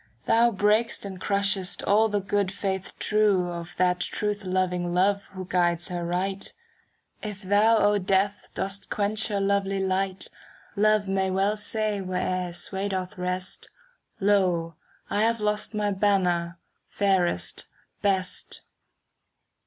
Thou break'st and crushest all the good faith true *" 63 CANZONIERE Of that truth loving Love who guides her right; If thou, O Death, dost quench her lovely light, Love may virell say where'er his sway doth rest, "Lo! I have lost my banner, fairest, best."